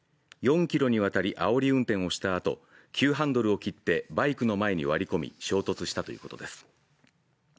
４ｋｍにわたりあおり運転をしたあと急ハンドルを切ってバイクの前に割り込み衝突したということです。